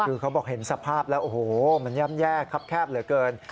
คือเขาบอกเห็นสภาพแล้วโอ้โหมันย่ำแย่ครับแคบเหลือเกิน